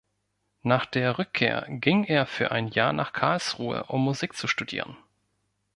Nach der Rückkehr ging er für ein Jahr nach Karlsruhe, um Musik zu studieren.